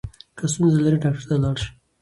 که ستونزه لرې ډاکټر ته ولاړ شه.